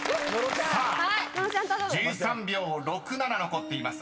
［さあ１３秒６７残っています。